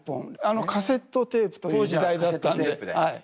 カセットテープという時代だったんではい。